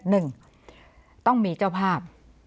หนึ่งต้องมีเจ้าภาพ